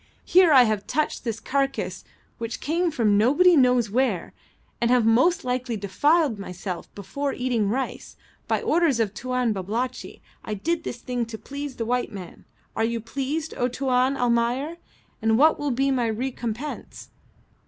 "Here, I have touched this carcass which came from nobody knows where, and have most likely defiled myself before eating rice. By orders of Tuan Babalatchi I did this thing to please the white man. Are you pleased, O Tuan Almayer? And what will be my recompense?